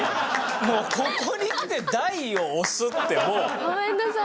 もうここにきて台を押すってもう。ごめんなさい。